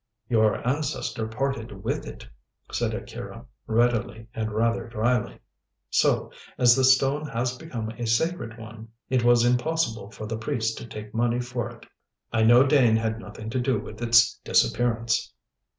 "Your ancestor parted with it," said Akira, readily and rather dryly, "so, as the stone has become a sacred one, it was impossible for the priests to take money for it. I know Dane had nothing to do with its disappearance."